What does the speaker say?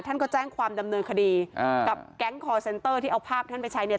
ท่านก็แจ้งความดำเนินคดีอ่ากับแก๊งคอร์เซ็นเตอร์ที่เอาภาพท่านไปใช้เนี่ย